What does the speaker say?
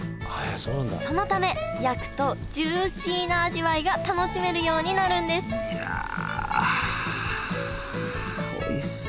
そのため焼くとジューシーな味わいが楽しめるようになるんですいやおいしそう。